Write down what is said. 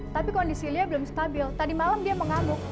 tapi kondisi lia belum stabil tadi malam dia mau ngamuk